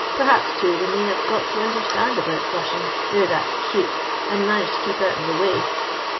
Perhaps, too, they may have got to understand about flushing, they 're that 'cute, and manage to keep out of the way.